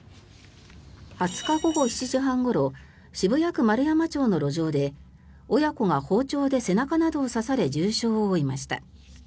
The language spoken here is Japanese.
２０日午後７時半ごろ渋谷区円山町の路上で親子が包丁で背中などを刺され重傷を負いました。